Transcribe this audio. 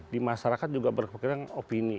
di masyarakat juga berpikiran opini